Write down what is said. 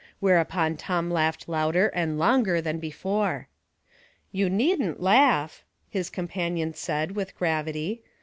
Whereupon Tom laughed lender and longer than before. " You needn't laugh," his companion said, with gravity.